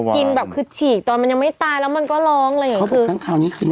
กินแบบคือฉีกตอนมันยังไม่ตายแล้วมันก็ร้องเลยคือ